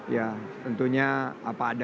ya tentunya apa ada